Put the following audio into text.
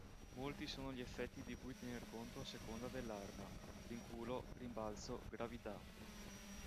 Molti sono gli effetti di cui tener conto a seconda dell'arma: rinculo, rimbalzo, gravità...